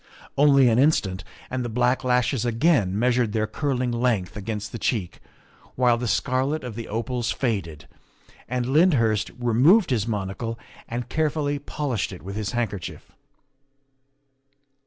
Only an instant, and the black lashes again measured their curling length against the cheek, while the scarlet of the opals faded, and Lyndhurst removed his monocle and carefully polished it with his handkerchief.